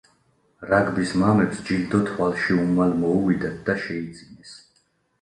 რაგბის მამებს ჯილდო თვალში უმალ მოუვიდათ და შეიძინეს.